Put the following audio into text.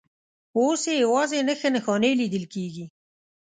اوس یې یوازې نښې نښانې لیدل کېږي.